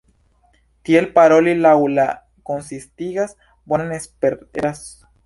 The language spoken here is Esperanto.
Tiel paroli, laŭ li, konsistigas "bonan" Esperanton.